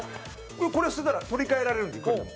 これ捨てたら取り替えられるんでいくらでも。